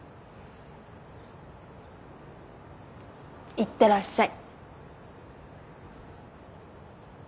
いってらっしゃい。